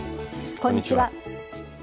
こんにちは。